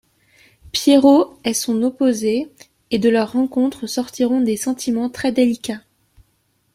Piero est son opposé, et de leur rencontre sortiront des sentiments très délicats.